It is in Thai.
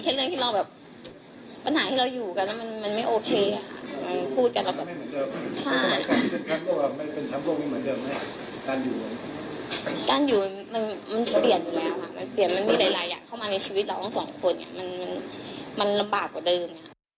เข้ามาในชีวิตเราทั้งสองคนมันลำบากกว่าเดิม